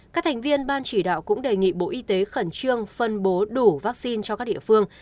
các thành viên ban chỉ đạo cũng đề nghị bộ y tế khẩn trương phân bố đủ vaccine cho các địa phương